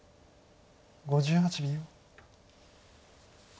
５８秒。